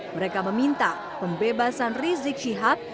mereka meminta pembebasan rizik syihab